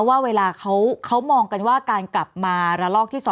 ว่าเวลาเขามองกันว่าการกลับมาระลอกที่๒